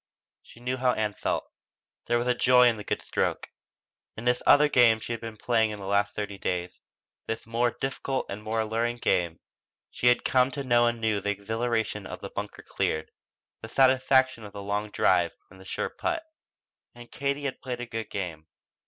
She knew how Ann felt. There was joy in the good stroke. In this other game she had been playing in the last thirty days this more difficult and more alluring game she had come to know anew the exhilaration of bunker cleared, the satisfaction of the long drive and the sure putt. And Katie had played a good game.